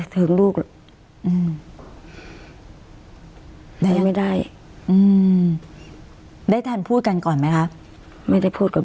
ถึงลูกอืมได้ไม่ได้อืมได้ทันพูดกันก่อนไหมคะไม่ได้พูดก่อน